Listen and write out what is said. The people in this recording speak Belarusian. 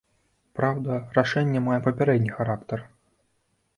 Праўда, рашэнне мае папярэдні характар.